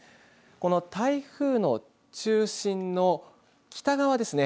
この台風の中心の北側ですね。